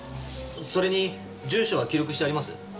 それに住所は記録してあります？